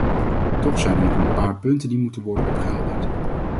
Toch zijn er nog een paar punten die moeten worden opgehelderd.